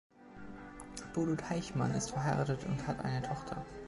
Bodo Teichmann ist verheiratet und hat eine Tochter.